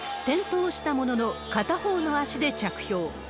転倒したものの、片方の足で着氷。